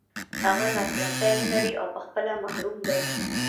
هغه لاسرسی نلري او په خپله محروم دی.